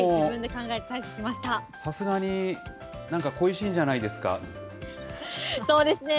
さすがに、なんか恋しいんじそうですね。